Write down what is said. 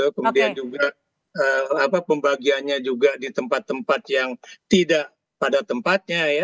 kemudian juga pembagiannya juga di tempat tempat yang tidak pada tempatnya ya